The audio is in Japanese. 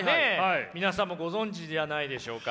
皆さんもご存じじゃないでしょうか。